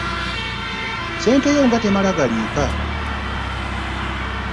ssente yo nga temala galiika.